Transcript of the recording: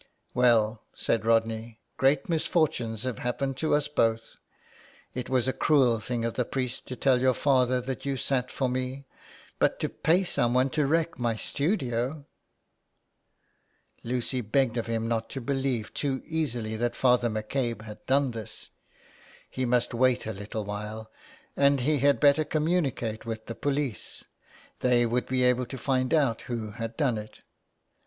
" Well," said Rodney, " great misfortunes have happened to us both. It was a cruel thing of the priest to tell your father that you sat for me. But to pay someone to wreck my studio !" Lucy begged of him not to believe too easily that Father McCabe had done this. He must wait a little while, and he had better communicate with the police. They would be able to find out who had done it.